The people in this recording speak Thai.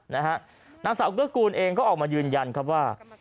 นามสรรค์เกิร์กูลเองก็ออกมายืนยันว่า